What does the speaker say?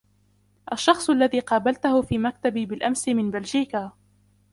الشخص الذي قابلتَه في مكتبي بالأمس من بلجيكا.